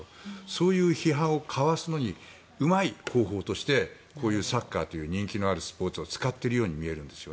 そういう批判をかわすのにうまい広報としてこういうサッカーという人気のあるスポーツを使っているように見えるんです。